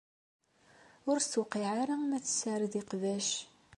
Ur tt-tewqiɛ ara ma tessared iqbac.